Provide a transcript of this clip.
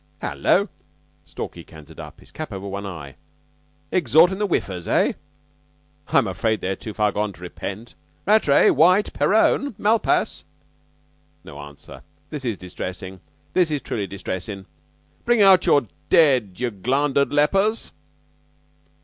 "Hallo!" Stalky cantered up, his cap over one eye. "Exhortin' the Whiffers, eh? I'm afraid they're too far gone to repent. Rattray! White! Perowne! Malpas! No answer. This is distressin'. This is truly distressin'. Bring out your dead, you glandered lepers!"